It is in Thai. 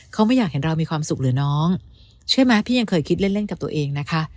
เขาไม่อยากเห็นเรามีความสุขเหลือน้องเชื่อไหมพี่ยังเคยคิดเล่นเล่นกับตัวเองนะคะ